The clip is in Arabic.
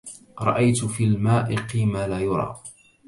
رأيت في المائق ما لا يرى